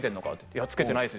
「いや付けてないです」